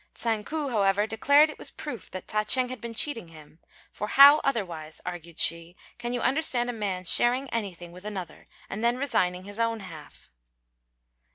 Tsang ku, however, declared it was a proof that Ta ch'êng had been cheating him; "for how, otherwise," argued she, "can you understand a man sharing anything with another, and then resigning his own half?"